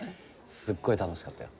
すっごい楽しかったよ。